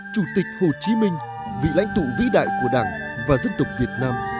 chủ tịch hồ chí minh vị lãnh tụ vĩ đại của đảng và dân tộc việt nam